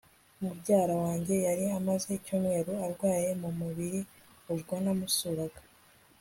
Mubyara wanjye yari amaze icyumweru arwaye mu buriri ubwo namusuraga